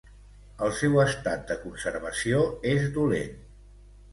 El seu estat de conservació és dolent.